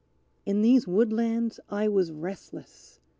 In these woodlands I was restless!